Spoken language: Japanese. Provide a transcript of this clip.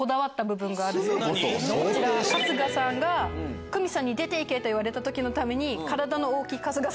春日さんがクミさんに出て行けと言われた時のために。